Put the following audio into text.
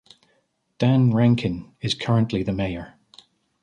Dan Rankin is currently the mayor.